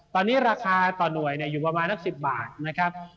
ตอนนี้ราคาต่อหน่วยอยู่ประมาณสัก๑๐บาทนะครับ